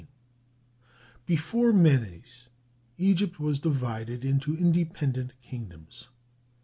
Before Menes Egypt was divided into independent kingdoms.